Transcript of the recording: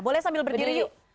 boleh sambil berdiri yuk